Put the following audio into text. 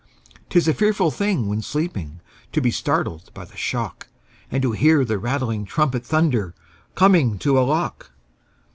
'Tis a fearful thing when sleeping To be startled by the shock, And to hear the rattling trumpet Thunder, "Coming to a lock!"